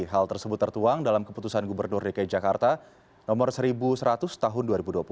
hal tersebut tertuang dalam keputusan gubernur dki jakarta no satu seratus tahun dua ribu dua puluh